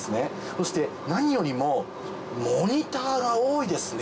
そして何よりもモニターが多いですね。